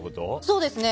そうですね。